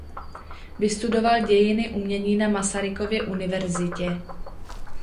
Vystudoval dějiny umění na Masarykově univerzitě.